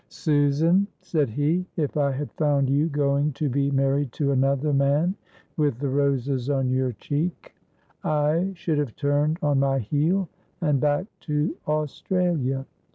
"Susan," said he, "if I had found you going to be married to another man with the roses on your cheek, I should have turned on my heel and back to Australia.